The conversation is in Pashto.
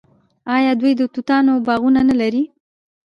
آیا دوی د توتانو باغونه نلري؟